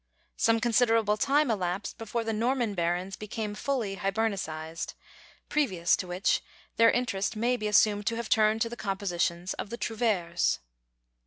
Some considerable time elapsed before the Norman barons became fully Hibernicised, previous to which their interest may be assumed to have turned to the compositions of the trouvères.